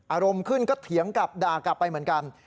อารมณ์ขึ้นก็เถียงกลับด่ากลับไปเหมือนกัน